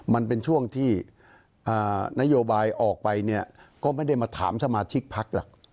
มันเป็นช่วงที่นโยบายออกไปเนี่ยก็ไม่ได้มาถามสมาชิกพักหรอก